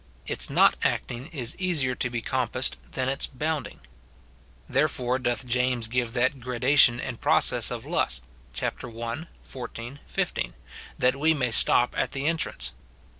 Its not acting is easier to be compassed than its bounding. Therefore doth James give that gradation and process of lust, chap. i. 14, 15, that we may stop at the entrance.